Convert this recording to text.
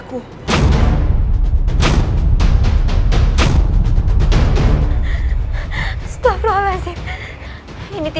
musikty sudah mulai